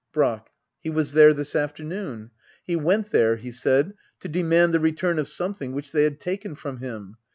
Brack. He was there this afternoon. He went there, he said, to demand the return of something which they had taken from him.